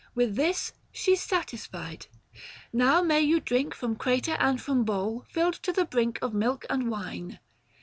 With this, she's satisfied. Now may you drink From crater and from bowl filled to the brink 900 Of milk and wine.